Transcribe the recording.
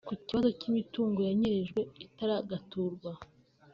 Ku kibazo cy’imitungo yanyerejwe itaragatuzwa